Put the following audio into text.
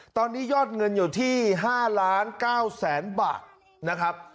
ตอนนี้ยอดเงินอยู่ที่ห้าร้านเก้าแสนบาทนะครับ